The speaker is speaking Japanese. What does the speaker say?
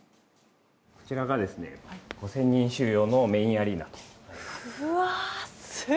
こちらが５０００人収容のメインアリーナです。